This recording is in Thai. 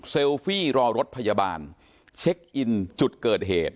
ฟี่รอรถพยาบาลเช็คอินจุดเกิดเหตุ